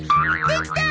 できた！